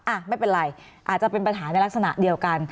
อ่ะไม่เป็นไรอาจจะเป็นปัญหาในลักษณะเดียวกัน